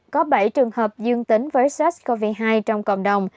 có bảy trường hợp dương tính với sars cov hai trong cộng đồng